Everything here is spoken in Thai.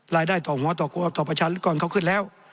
รายได้ต่อหัวต่อประชาลิกรเขาขึ้นแล้ว